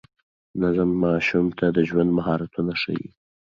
نظم ماشوم ته د ژوند مهارتونه ښيي.